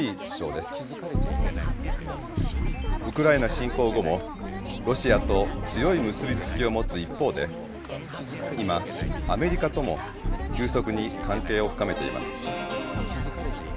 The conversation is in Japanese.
ウクライナ侵攻後もロシアと強い結び付きを持つ一方で今アメリカとも急速に関係を深めています。